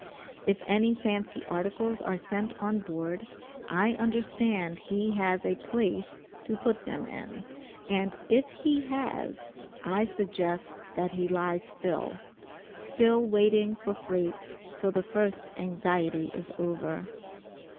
If any fancy articles are sent on board, I understand he has a place to put them in, and if he has I suggest that he lies still, still waiting for freight till the first anxiety is over.